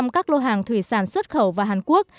các lô hàng thủy sản xuất khẩu vào hàn quốc